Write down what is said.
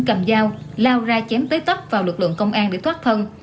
làm giao lao ra chém tế tóc vào lực lượng công an để thoát thân